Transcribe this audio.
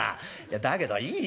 だけどいいよ。